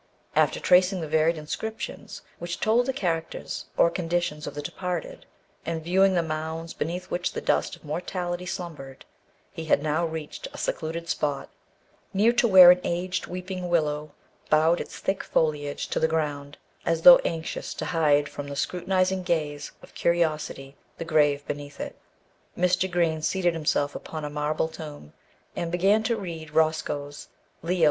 After tracing the varied inscriptions which told the characters or conditions of the departed, and viewing the mounds beneath which the dust of mortality slumbered, he had now reached a secluded spot, near to where an aged weeping willow bowed its thick foliage to the ground, as though anxious to hide from the scrutinising gaze of curiosity the grave beneath it. Mr. Green seated himself upon a marble tomb, and began to read Roscoe's Leo X.